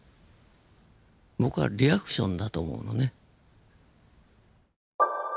僕はリアクションだと思うのね。